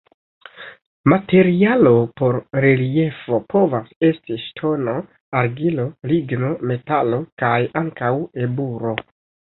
Materialo por reliefo povas esti ŝtono, argilo, ligno, metalo kaj ankaŭ eburo.